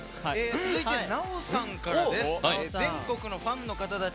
続いてなおさんからです。